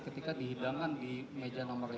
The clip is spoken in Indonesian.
ketika dihidangan di meja lima puluh empat